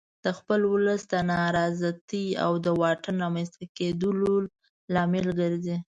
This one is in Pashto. د خپل ولس د نارضایتي او د واټن رامنځته کېدو لامل ګرځي.